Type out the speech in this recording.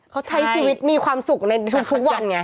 เขาใช้ชีวิตมีความสุขในทุกวันไง